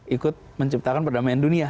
ikut menciptakan perdamaian dunia